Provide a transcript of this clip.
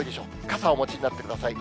傘をお持ちになってください。